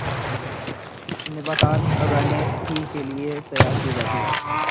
نباتات اگانے ہی کیلئے تیار کی جاتی ہیں